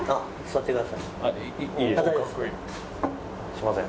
すいません。